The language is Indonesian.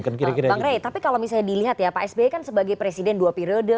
bang rey tapi kalau misalnya dilihat ya pak sby kan sebagai presiden dua periode